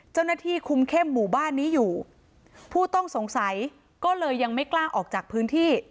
เจ้าหน้าที่คุมเข้มหมู่บ้านนี้อยู่ผู้ต้องสงสัยก็เลยยังไม่กล้าออกจากพื้นที่